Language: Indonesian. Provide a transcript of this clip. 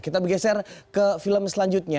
kita bergeser ke film selanjutnya